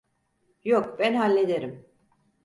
Yok, ben hallederim.